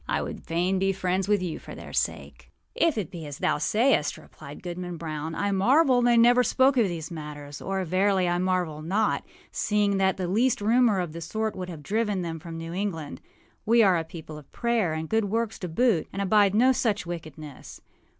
I would fain be friends with you for their sake.â âIf it be as thou sayest,â replied Goodman Brown, âI marvel they never spoke of these matters; or, verily, I marvel not, seeing that the least rumor of the sort would have driven them from New England. We are a people of prayer, and good works to boot, and abide no such wickedness.